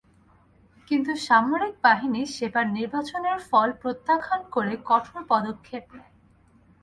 কিন্তু সামরিক বাহিনী সেবার নির্বাচনের ফল প্রত্যাখ্যান করে কঠোর পদক্ষেপ নেয়।